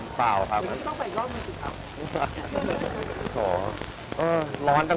คือเราคุยกันเหมือนเดิมตลอดเวลาอยู่แล้วไม่ได้มีอะไรสูงแรง